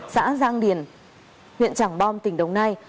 xã giang điền huyện trảng bom tỉnh đồng nai